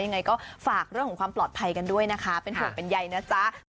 ยังไงก็ฝากเรื่องของความปลอดภัยกันด้วยนะคะเป็นห่วงเป็นใยนะจ๊ะ